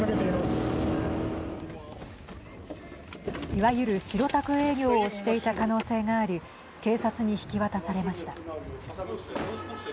いわゆる、白タク営業をしていた可能性があり警察に引き渡されました。